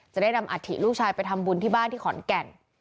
จะได้นำอัฐิลูกชายไปทำบุญที่บ้านที่ขอนแก่น